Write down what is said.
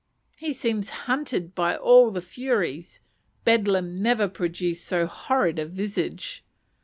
He seems hunted by all the furies. Bedlam never produced so horrid a visage.